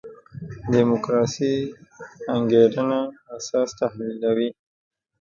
دیموکراسي انګېرنه اساس تحلیلوي.